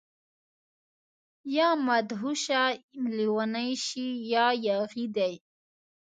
يا مدهوشه، لیونۍ شي يا ياغي دي